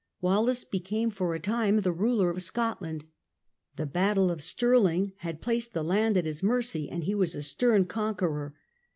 Wallace became for a time the ruler of Scotland; the battle of Stirling had placed the land at his mercy, and he was a stern conqueror.